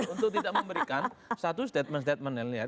untuk tidak memberikan satu statement statement yang